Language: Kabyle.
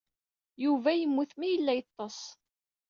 Yuba yemmut mi yella yeḍḍes.